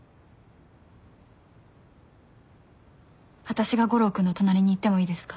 私が悟郎君の隣に行ってもいいですか？